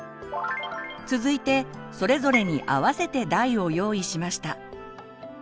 続いてそれぞれに合わせて台を用意しました。